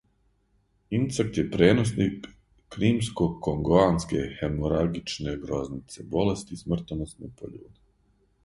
Инсект је пријеносник кримско-конгоанске хеморагичне грознице, болести смртоносне по људе.